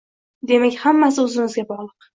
Demak, hammasi o'zimizga bog'liq